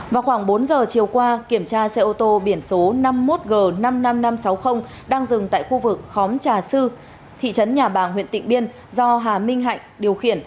vào khoảng bốn giờ chiều qua kiểm tra xe ô tô biển số năm mươi một g năm mươi năm nghìn năm trăm sáu mươi đang dừng tại khu vực khóm trà sư thị trấn nhà bàng huyện tịnh biên do hà minh hạnh điều khiển